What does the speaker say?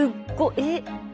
えっ！